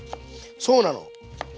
そうなの。